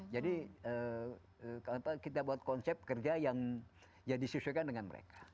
jadi kita buat konsep kerja yang disesuaikan dengan mereka